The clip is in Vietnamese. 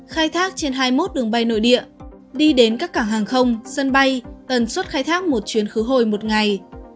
khai thác trên hai mươi một đường bay nội địa đi đến các cảng hàng không sân bay tần suất khai thác một chuyến khứ hồi một ngày